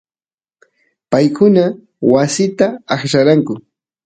paykuna wasita aqllaranku